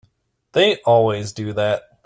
They always do that.